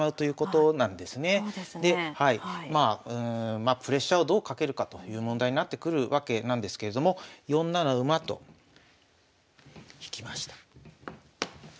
まあプレッシャーをどうかけるかという問題になってくるわけなんですけれども４七馬と引きました。